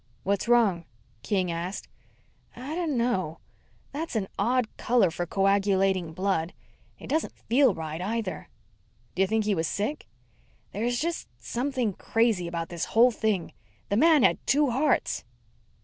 "What's wrong?" King asked. "I don't know. That's an odd color for coagulating blood. It doesn't feel right, either." "Do you think he was sick?" "There's just something crazy about this whole thing. The man had two hearts."